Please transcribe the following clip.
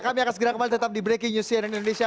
kami akan segera kembali tetap di breaking news cnn indonesia